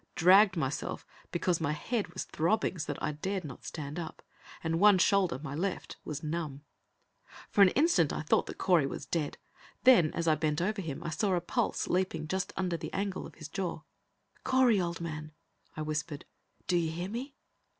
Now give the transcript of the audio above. Dragged myself because my head was throbbing so that I dared not stand up, and one shoulder, my left, was numb. For an instant I thought that Correy was dead. Then, as I bent over him, I saw a pulse leaping just under the angle of his jaw. "Correy, old man!" I whispered. "Do you hear me?"